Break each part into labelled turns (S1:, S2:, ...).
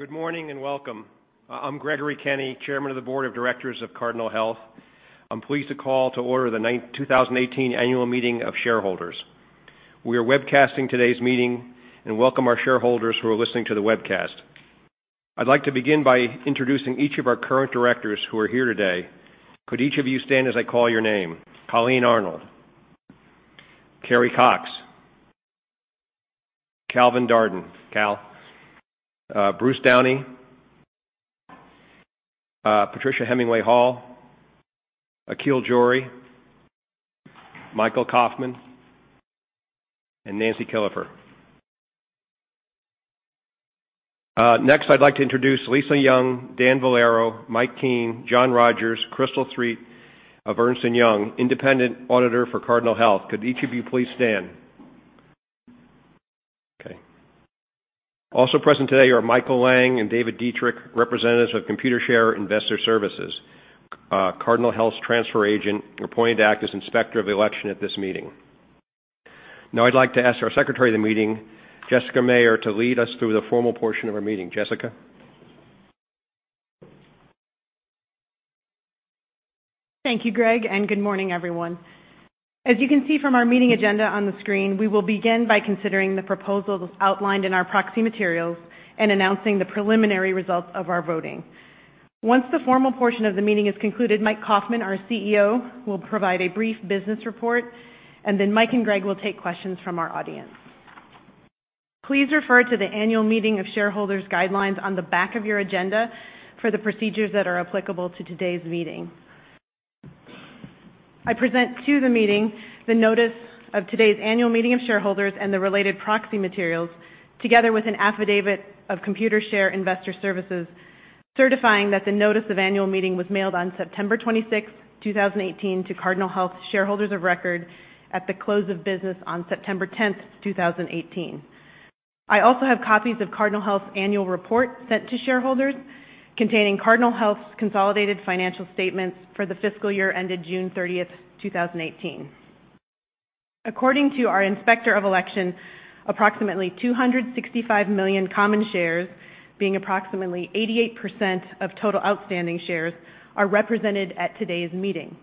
S1: Good morning and welcome. I'm Gregory Kenny, Chairman of the Board of Directors of Cardinal Health. I'm pleased to call to order the 2018 annual meeting of shareholders. We are webcasting today's meeting and welcome our shareholders who are listening to the webcast. I'd like to begin by introducing each of our current Directors who are here today. Could each of you stand as I call your name? Colleen Arnold, Carrie Cox, Calvin Darden. Cal, Bruce Downey, Patricia Hemingway Hall, Akhil Johri, Michael Kaufmann, and Nancy Killefer. Next, I'd like to introduce Lisa Young, Dan Valero, Mike Keane, John Rogers, Crystal Threet of Ernst & Young, independent auditor for Cardinal Health. Could each of you please stand? Okay. Also present today are Michael Lang and David Dietrich, representatives of Computershare Investor Services, Cardinal Health's transfer agent appointed to act as Inspector of Election at this meeting. I'd like to ask our Secretary of the Meeting, Jessica Mayer, to lead us through the formal portion of our meeting. Jessica.
S2: Thank you, Greg, good morning, everyone. As you can see from our meeting agenda on the screen, we will begin by considering the proposals outlined in our proxy materials and announcing the preliminary results of our voting. Once the formal portion of the meeting is concluded, Mike Kaufmann, our CEO, will provide a brief business report, Mike and Greg will take questions from our audience. Please refer to the annual meeting of shareholders guidelines on the back of your agenda for the procedures that are applicable to today's meeting. I present to the meeting the notice of today's annual meeting of shareholders and the related proxy materials, together with an affidavit of Computershare Investor Services, certifying that the notice of annual meeting was mailed on September 26, 2018, to Cardinal Health shareholders of record at the close of business on September 10, 2018. I also have copies of Cardinal Health's annual report sent to shareholders containing Cardinal Health's consolidated financial statements for the fiscal year ended June 30, 2018. According to our Inspector of Election, approximately 265 million common shares, being approximately 88% of total outstanding shares, are represented at today's meeting.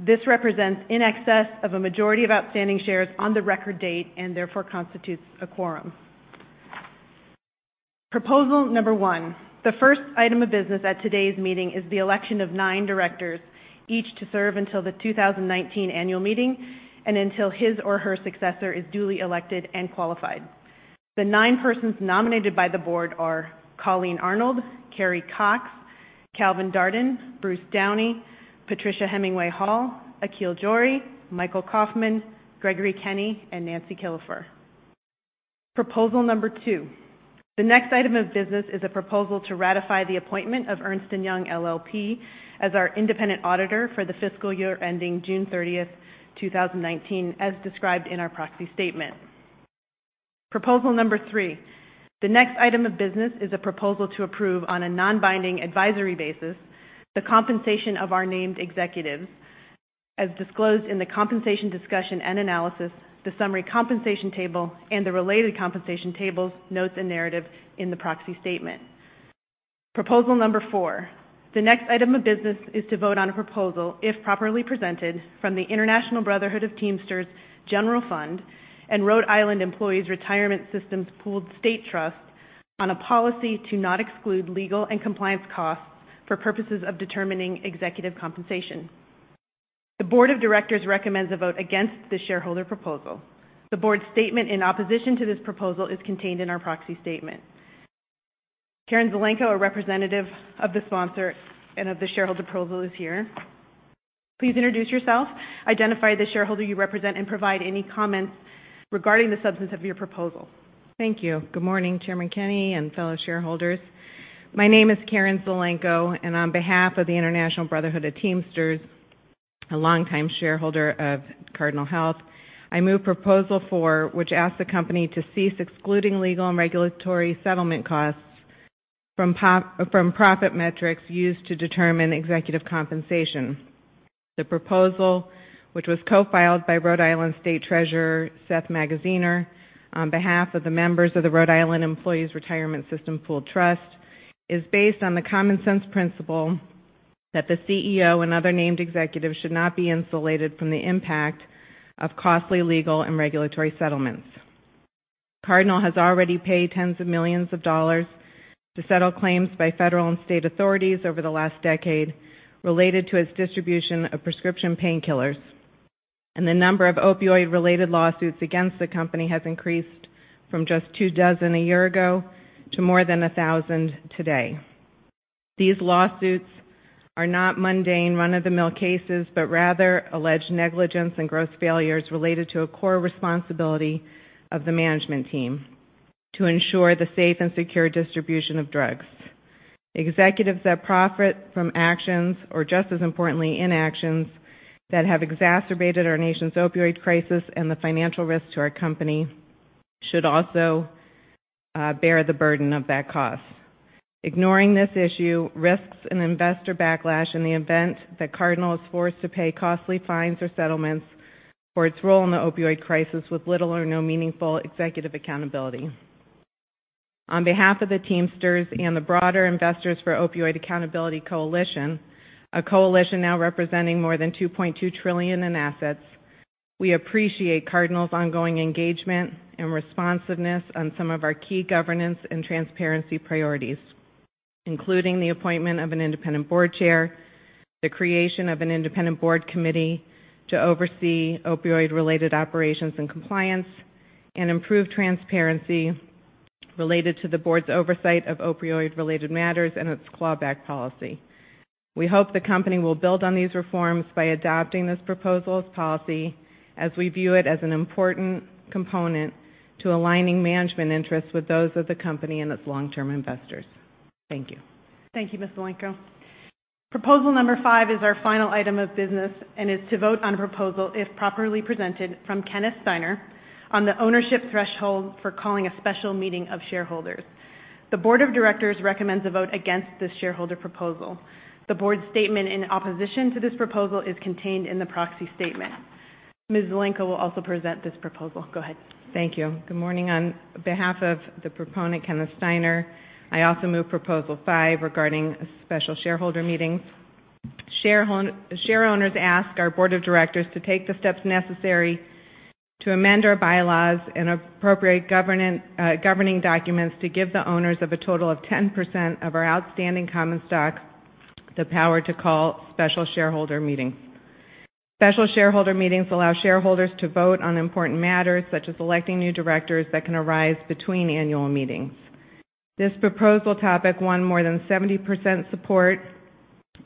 S2: This represents in excess of a majority of outstanding shares on the record date and therefore constitutes a quorum. Proposal number one. The first item of business at today's meeting is the election of nine Directors, each to serve until the 2019 annual meeting and until his or her successor is duly elected and qualified. The nine persons nominated by the Board are Colleen Arnold, Carrie Cox, Calvin Darden, Bruce Downey, Patricia Hemingway Hall, Akhil Johri, Michael Kaufmann, Gregory Kenny, and Nancy Killefer. Proposal number two. The next item of business is a proposal to ratify the appointment of Ernst & Young LLP as our independent auditor for the fiscal year ending June 30, 2019, as described in our proxy statement. Proposal number three. The next item of business is a proposal to approve, on a non-binding advisory basis, the compensation of our named executives as disclosed in the compensation discussion and analysis, the summary compensation table, and the related compensation tables, notes, and narrative in the proxy statement. Proposal number four. The next item of business is to vote on a proposal, if properly presented, from the International Brotherhood of Teamsters General Fund and Rhode Island Employees Retirement Systems Pooled State Trust on a policy to not exclude legal and compliance costs for purposes of determining executive compensation. The Board of Directors recommends a vote against the shareholder proposal. The Board's statement in opposition to this proposal is contained in our proxy statement. Carin Zelenko, a representative of the sponsor and of the shareholder proposal is here. Please introduce yourself, identify the shareholder you represent, and provide any comments regarding the substance of your proposal.
S3: Thank you. Good morning, Chairman Kenny and fellow shareholders. My name is Carin Zelenko, on behalf of the International Brotherhood of Teamsters, a longtime shareholder of Cardinal Health, I move proposal four, which asks the company to cease excluding legal and regulatory settlement costs from profit metrics used to determine executive compensation. The proposal, which was co-filed by Rhode Island State Treasurer Seth Magaziner on behalf of the members of the Rhode Island Employees Retirement System Pooled Trust, is based on the common sense principle that the CEO and other named executives should not be insulated from the impact of costly legal and regulatory settlements. Cardinal has already paid tens of millions of dollars to settle claims by federal and state authorities over the last decade related to its distribution of prescription painkillers. The number of opioid-related lawsuits against the company has increased from just two dozen a year ago to more than 1,000 today. These lawsuits are not mundane, run-of-the-mill cases, but rather alleged negligence and gross failures related to a core responsibility of the management team to ensure the safe and secure distribution of drugs. Executives that profit from actions or, just as importantly, inactions that have exacerbated our nation's opioid crisis and the financial risk to our company should also bear the burden of that cost. Ignoring this issue risks an investor backlash in the event that Cardinal is forced to pay costly fines or settlements For its role in the opioid crisis with little or no meaningful executive accountability. On behalf of the Teamsters and the broader Investors for Opioid Accountability Coalition, a coalition now representing more than 2.2 trillion in assets, we appreciate Cardinal's ongoing engagement and responsiveness on some of our key governance and transparency priorities, including the appointment of an independent board chair, the creation of an independent board committee to oversee opioid-related operations and compliance, and improved transparency related to the board's oversight of opioid-related matters and its clawback policy. We hope the company will build on these reforms by adopting this proposal as policy, as we view it as an important component to aligning management interests with those of the company and its long-term investors. Thank you.
S2: Thank you, Ms. Zelenko. Proposal number five is our final item of business and is to vote on a proposal, if properly presented, from Kenneth Steiner on the ownership threshold for calling a special meeting of shareholders. The board of directors recommends a vote against this shareholder proposal. The board's statement in opposition to this proposal is contained in the proxy statement. Ms. Zelenko will also present this proposal. Go ahead.
S3: Thank you. Good morning. On behalf of the proponent, Kenneth Steiner, I also move proposal five regarding special shareholder meetings. Shareowners ask our board of directors to take the steps necessary to amend our bylaws and appropriate governing documents to give the owners of a total of 10% of our outstanding common stock the power to call special shareholder meetings. Special shareholder meetings allow shareholders to vote on important matters, such as electing new directors, that can arise between annual meetings. This proposal topic won more than 70% support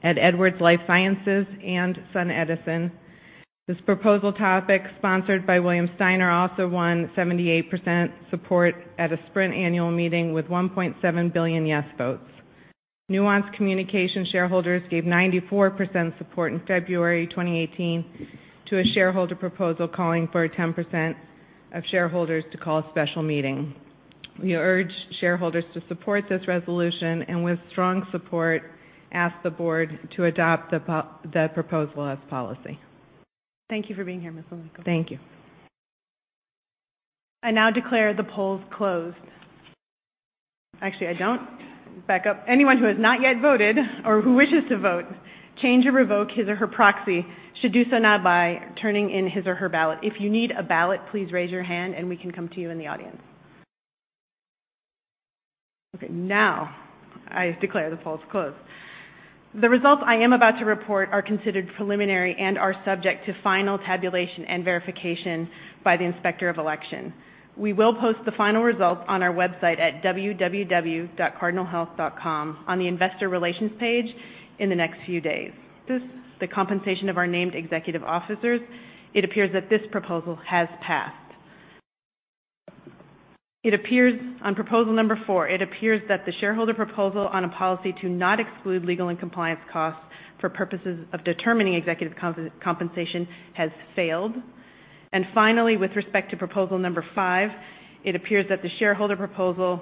S3: at Edwards Lifesciences and SunEdison. This proposal topic, sponsored by William Steiner, also won 78% support at a Sprint annual meeting with 1.7 billion yes votes. Nuance Communications shareholders gave 94% support in February 2018 to a shareholder proposal calling for 10% of shareholders to call a special meeting. We urge shareholders to support this resolution and, with strong support, ask the board to adopt the proposal as policy.
S2: Thank you for being here, Ms. Zelenko.
S3: Thank you.
S2: I now declare the polls closed. Actually, I don't. Back up. Anyone who has not yet voted or who wishes to vote, change or revoke his or her proxy, should do so now by turning in his or her ballot. If you need a ballot, please raise your hand and we can come to you in the audience. Okay. Now, I declare the polls closed. The results I am about to report are considered preliminary and are subject to final tabulation and verification by the Inspector of Election. We will post the final results on our website at www.cardinalhealth.com on the investor relations page in the next few days. This is the compensation of our named executive officers. It appears that this proposal has passed. On proposal number four, it appears that the shareholder proposal on a policy to not exclude legal and compliance costs for purposes of determining executive compensation has failed. Finally, with respect to proposal number five, it appears that the shareholder proposal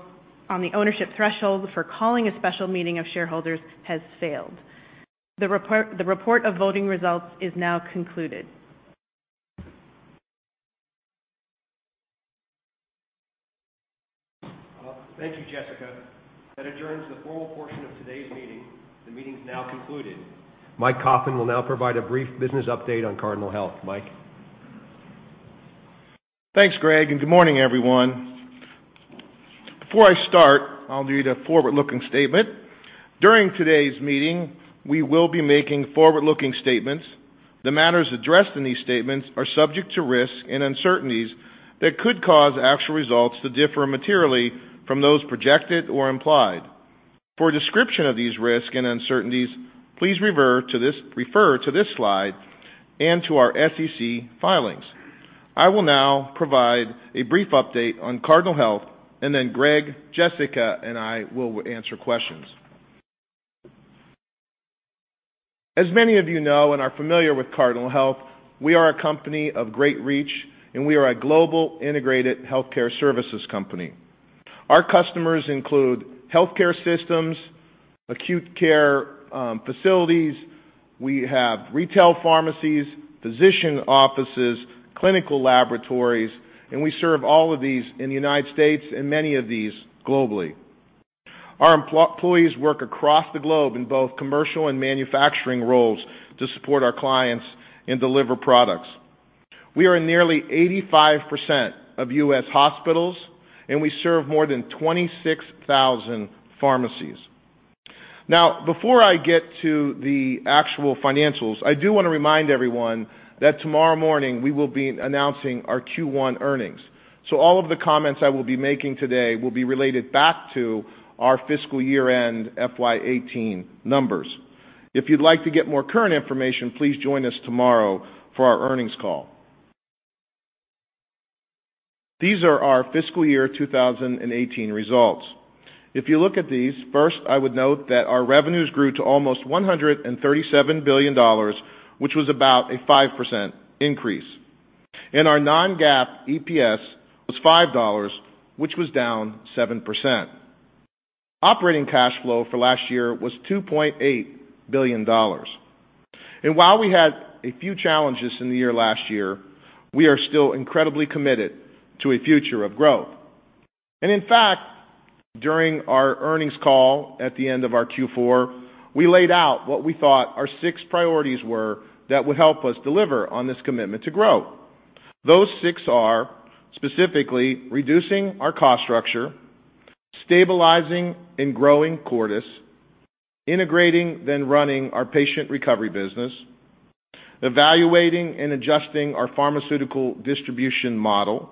S2: on the ownership threshold for calling a special meeting of shareholders has failed. The report of voting results is now concluded.
S1: Thank you, Jessica. That adjourns the formal portion of today's meeting. The meeting is now concluded. Mike Kaufmann will now provide a brief business update on Cardinal Health. Mike.
S4: Thanks, Greg. Good morning, everyone. Before I start, I'll read a forward-looking statement. During today's meeting, we will be making forward-looking statements. The matters addressed in these statements are subject to risks and uncertainties that could cause actual results to differ materially from those projected or implied. For a description of these risks and uncertainties, please refer to this slide and to our SEC filings. I will now provide a brief update on Cardinal Health. Then Greg, Jessica, and I will answer questions. As many of you know and are familiar with Cardinal Health, we are a company of great reach. We are a global integrated healthcare services company. Our customers include healthcare systems, acute care facilities. We have retail pharmacies, physician offices, clinical laboratories, and we serve all of these in the U.S. and many of these globally. Our employees work across the globe in both commercial and manufacturing roles to support our clients and deliver products. We are in nearly 85% of U.S. hospitals, and we serve more than 26,000 pharmacies. Now, before I get to the actual financials, I do want to remind everyone that tomorrow morning we will be announcing our Q1 earnings. All of the comments I will be making today will be related back to our fiscal year-end FY 2018 numbers. If you'd like to get more current information, please join us tomorrow for our earnings call. These are our fiscal year 2018 results. If you look at these, first, I would note that our revenues grew to almost $137 billion, which was about a 5% increase. Our non-GAAP EPS was $5, which was down 7%. Operating cash flow for last year was $2.8 billion. While we had a few challenges in the year last year, we are still incredibly committed to a future of growth. In fact, during our earnings call at the end of our Q4, we laid out what we thought our six priorities were that would help us deliver on this commitment to grow. Those six are specifically reducing our cost structure, stabilizing and growing Cordis, integrating then running our patient recovery business, evaluating and adjusting our pharmaceutical distribution model,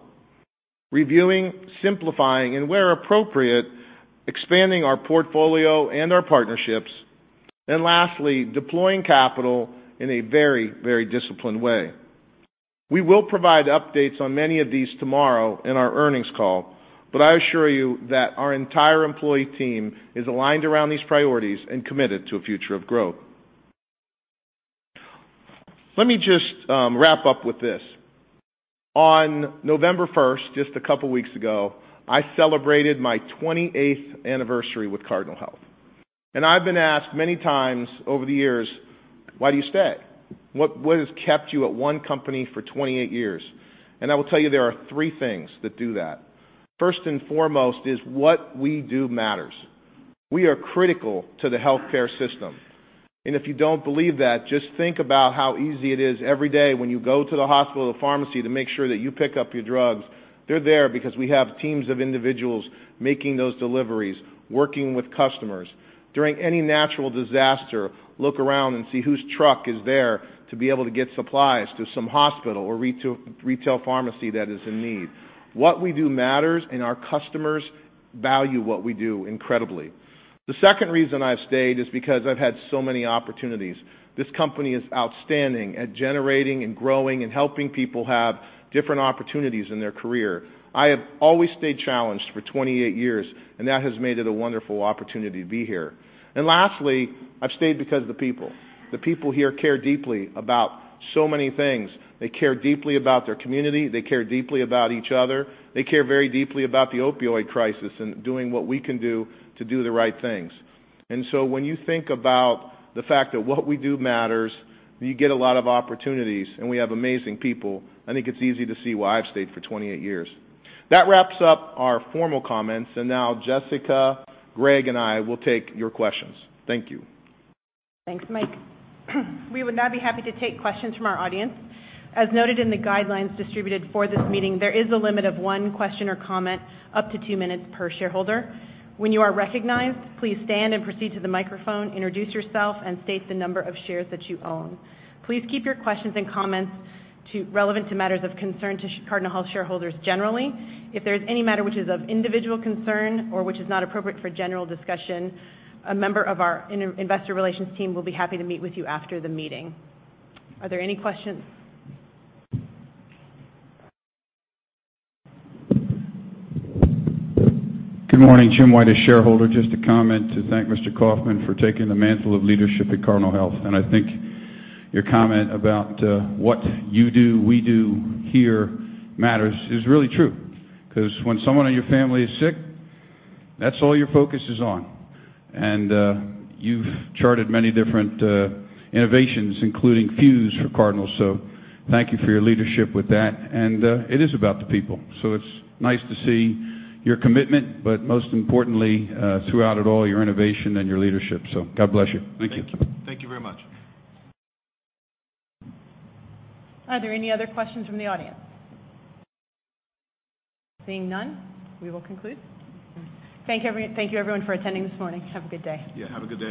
S4: reviewing, simplifying, where appropriate, expanding our portfolio and our partnerships, and lastly, deploying capital in a very disciplined way. We will provide updates on many of these tomorrow in our earnings call, but I assure you that our entire employee team is aligned around these priorities and committed to a future of growth. Let me just wrap up with this. On November 1st, just a couple of weeks ago, I celebrated my 28th anniversary with Cardinal Health. I've been asked many times over the years, "Why do you stay? What has kept you at one company for 28 years?" I will tell you there are three things that do that. First and foremost is what we do matters. We are critical to the healthcare system. If you don't believe that, just think about how easy it is every day when you go to the hospital or the pharmacy to make sure that you pick up your drugs. They're there because we have teams of individuals making those deliveries, working with customers. During any natural disaster, look around and see whose truck is there to be able to get supplies to some hospital or retail pharmacy that is in need. What we do matters, and our customers value what we do incredibly. The second reason I've stayed is because I've had so many opportunities. This company is outstanding at generating and growing and helping people have different opportunities in their career. I have always stayed challenged for 28 years, and that has made it a wonderful opportunity to be here. Lastly, I've stayed because of the people. The people here care deeply about so many things. They care deeply about their community. They care deeply about each other. They care very deeply about the opioid crisis and doing what we can do to do the right things. When you think about the fact that what we do matters, you get a lot of opportunities, and we have amazing people, I think it's easy to see why I've stayed for 28 years. That wraps up our formal comments. Now Jessica, Greg, and I will take your questions. Thank you.
S2: Thanks, Mike. We would now be happy to take questions from our audience. As noted in the guidelines distributed for this meeting, there is a limit of one question or comment up to two minutes per shareholder. When you are recognized, please stand and proceed to the microphone, introduce yourself, and state the number of shares that you own. Please keep your questions and comments relevant to matters of concern to Cardinal Health shareholders generally. If there is any matter which is of individual concern or which is not appropriate for general discussion, a member of our investor relations team will be happy to meet with you after the meeting. Are there any questions?
S5: Good morning. Jim White, a shareholder. Just a comment to thank Mr. Kaufmann for taking the mantle of leadership at Cardinal Health. I think your comment about what you do, we do here matters is really true. Because when someone in your family is sick, that's all your focus is on. You've charted many different innovations, including Fuse for Cardinal, so thank you for your leadership with that. It is about the people, so it's nice to see your commitment, but most importantly, throughout it all, your innovation and your leadership. God bless you. Thank you.
S4: Thank you. Thank you very much.
S2: Are there any other questions from the audience? Seeing none, we will conclude. Thank you, everyone, for attending this morning. Have a good day.
S4: Yeah, have a good one